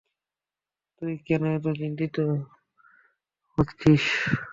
তুই কেন এতো চিন্তিত হচ্ছিস?